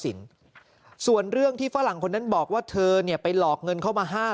ส่วนเรื่องที่ฝรั่งคนนั้นบอกว่าเธอเนี่ยไปหลอกเงินเข้ามาห้า